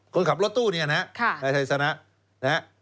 คนขับรถตู้ในทัยสนะ